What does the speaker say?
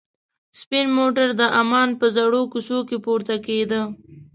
سپین موټر د عمان په زړو کوڅو کې پورته کېده.